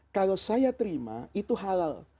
kalau saya terima itu halal